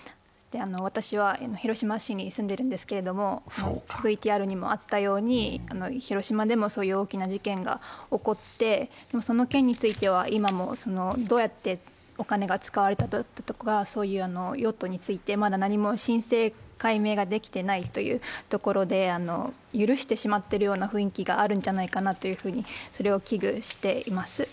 私は広島市に住んでいるんですけれども、ＶＴＲにもあったように広島でもそういう大きな事件が起こって、その件については今もどうやってお金が使われたりとか用途について何も真相解明ができてないというところで許してしまっているような雰囲気があるんじゃないかなと危惧しています。